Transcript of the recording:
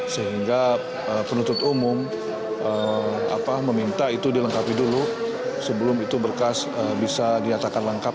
sehingga penuntut umum meminta itu dilengkapi dulu sebelum itu berkas bisa diatakan lengkap